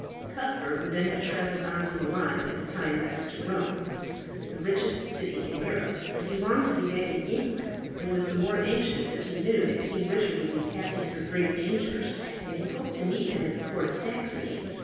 Cuthbert would then have travelled on to Milan at that time next to Rome the richest city in Europe, but he longed to be back in England, and was the more anxious as he knew that King Richard would be passing through great dangers, and he hoped to meet him at the Court of Saxony.